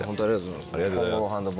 ありがとうございます。